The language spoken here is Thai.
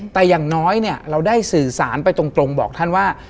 แต่อย่างน้อยเนี่ยเราได้สื่อสารไปตรงบอกท่านว่า